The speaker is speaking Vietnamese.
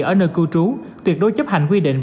ở nơi cư trú tuyệt đối chấp hành quy định